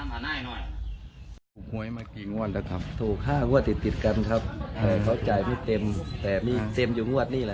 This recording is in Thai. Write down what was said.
อัหรูกตั้งว่ามันแล้วทางท้ายมันต้องฝีใจ